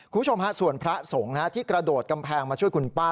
คุณผู้ชมฮะส่วนพระสงฆ์ที่กระโดดกำแพงมาช่วยคุณป้า